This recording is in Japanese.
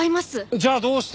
じゃあどうして？